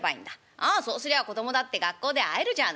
ああそうすりゃあ子供だって学校で会えるじゃないか。